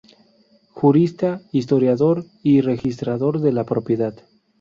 Jurista, historiador y registrador de la propiedad.